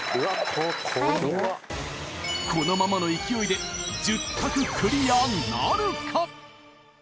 これ怖っこのままの勢いで１０択クリアなるか？